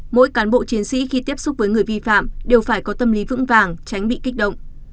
mỗi cán bộ chiến sĩ khi tiếp xúc với người vi phạm đều phải có tâm lý vững vàng tránh bị kích động